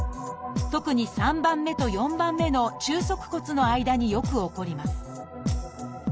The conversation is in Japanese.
特に３番目と４番目の中足骨の間によく起こります。